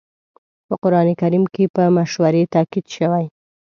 په قرآن کريم کې په مشورې تاکيد شوی.